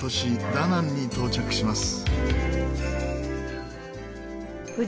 ダナンに到着します。